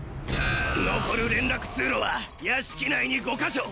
残る連絡通路は屋敷内に５か所！